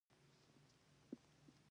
ایا ورته کیسې کوئ؟